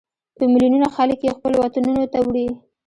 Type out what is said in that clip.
په ملیونونو خلک یې خپلو وطنونو ته وړي.